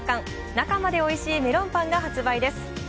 中までおいしいメロンパンが発売です。